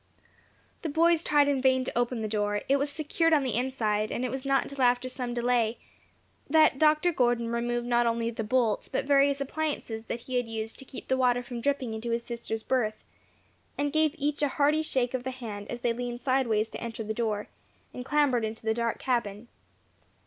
The boys tried in vain to open the door; it was secured on the inside, and it was not until after some delay that Dr. Gordon removed not only the bolt, but various appliances that he had used to keep the water from dripping into his sister's berth, and gave each a hearty shake of the hand as they leaned sideways to enter the door, and clambered in the dark cabin.